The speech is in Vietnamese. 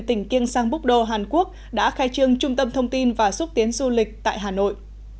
tỉnh kiêng sang búc đô hàn quốc đã khai trương trung tâm thông tin và xúc tiến du lịch tại hà nội